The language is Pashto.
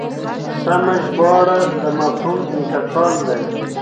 سمه ژباړه د مفهوم انتقال دی.